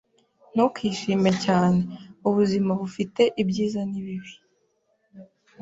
Ntukishime cyane. Ubuzima bufite ibyiza n'ibibi.